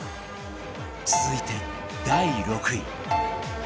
続いて第６位